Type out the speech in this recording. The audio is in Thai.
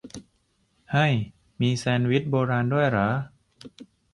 เฮ่ย มีแซนด์วิชโบราณด้วยเหรอ !